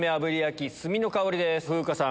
風花さん